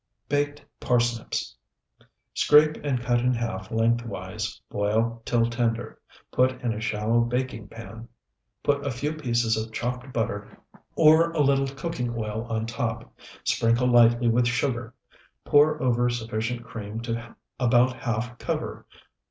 BAKED PARSNIPS Scrape and cut in half lengthwise; boil till tender; put in a shallow baking pan; put a few pieces of chopped butter or a little cooking oil on top; sprinkle lightly with sugar; pour over sufficient cream to about half cover.